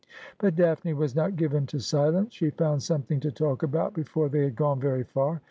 But Daphne was not given to silence. She found something to talk about before they had gone very far.